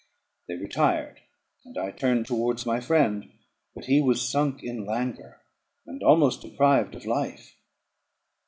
They retired, and I turned towards my friend; but he was sunk in languor, and almost deprived of life.